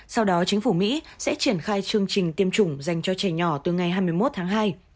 sau đó chính phủ mỹ sẽ triển khai chương trình tiêm chủng dành cho trẻ nhỏ từ ngày hai mươi một tháng hai